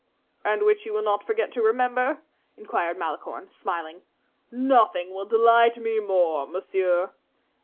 "And which you will not forget to remember?" inquired Malicorne, smiling. "Nothing will delight me more, monsieur."